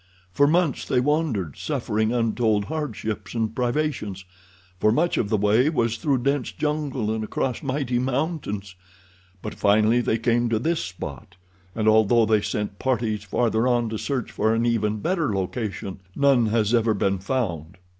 For months they wandered, suffering untold hardships and privations, for much of the way was through dense jungle, and across mighty mountains, but finally they came to this spot, and although they sent parties farther on to search for an even better location, none has ever been found."